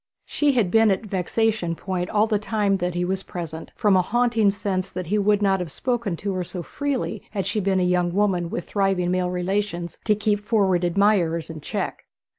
She had been at vexation point all the time that he was present, from a haunting sense that he would not have spoken to her so freely had she been a young woman with thriving male relatives to keep forward admirers in check.